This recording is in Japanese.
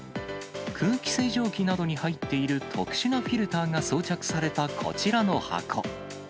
空気清浄機などに入っている特殊なフィルターが装着されたこちらの箱。